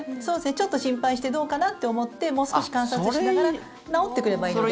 ちょっと心配してどうかな？と思ってもう少し観察しながら治ってくればいいので。